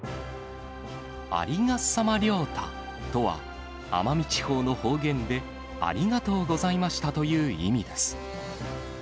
ありがっさまりょうた！とは、奄美地方の方言で、ありがとうございましたという意味です。